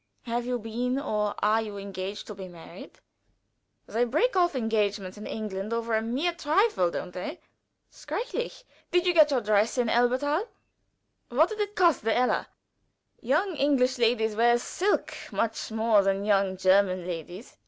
Have you been or are you engaged to be married? They break off engagements in England for a mere trifle, don't they? Schrecklich! Did you get your dress in Elberthal? What did it cost the elle? Young English ladies wear silk much more than young German ladies.